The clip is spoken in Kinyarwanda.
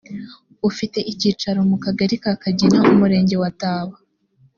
ufite icyicaro mu kagari ka kagina umurenge wa taba